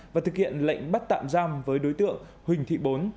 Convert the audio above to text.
và thực hiện lệnh bắt tạm giam với đối tượng huỳnh thị bốn